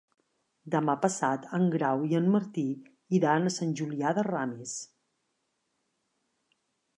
Demà passat en Grau i en Martí iran a Sant Julià de Ramis.